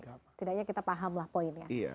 tidaknya kita paham lah poinnya